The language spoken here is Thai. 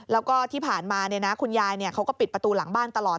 แล้วก็ที่ผ่านมาคุณยายเขาก็ปิดประตูหลังบ้านตลอด